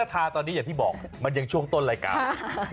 อย่างที่บอกมันยังช่วงต้นรายการ